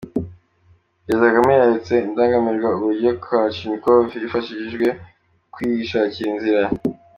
Perezida Kagame yeretse Indangamirwa uburyo Kalachnikov yifashishijwe mu kwishakira inzira.